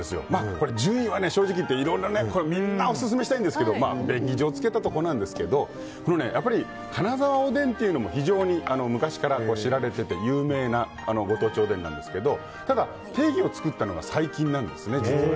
順位は正直言ってみんなオススメしたいんですけど便宜上つけたところなんですけど金澤おでんというのも非常に昔から知られてて有名なご当地おでんなんですけどただ定義を作ったのが最近なんですね。